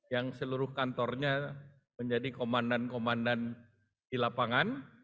yang seluruh kantornya menjadi komandan komandan di lapangan